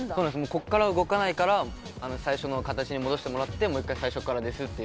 ここから動かないから最初の形に戻してもらって、最初からって。